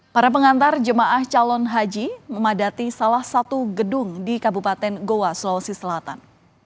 para pengantar jemaah calon haji memadati salah satu gedung di kabupaten goa sulawesi selatan